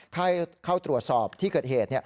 เข้าตรวจสอบที่เกิดเหตุ